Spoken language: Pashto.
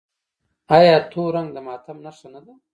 آیا تور رنګ د ماتم نښه نه ده؟